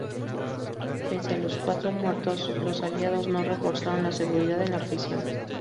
Pese a las cuatro muertes, los aliados no reforzaron la seguridad en la prisión.